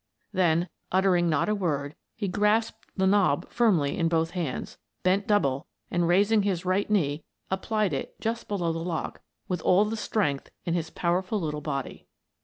Then, uttering not a word, he grasped the knob firmly in both hands, bent double, and, raising his right knee, applied it just below the lock with all the strength in his powerful little body.